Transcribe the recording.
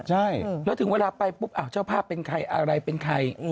ใช่แล้วถึงเวลาไปปุ๊บเจ้าภาพเป็นใครอะไรเป็นใคร